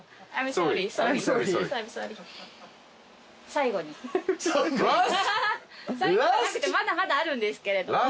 最後じゃなくてまだまだあるんですけれども。